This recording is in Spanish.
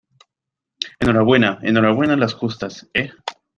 enhorabuena. enhorabuena las justas, ¿ eh?